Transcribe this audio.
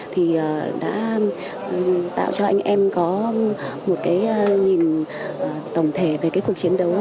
thì đã tạo cho anh em có một cái nhìn tổng thể về cái cuộc chiến đấu